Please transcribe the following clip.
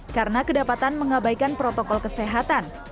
karena kedapatan mengabaikan protokol kesehatan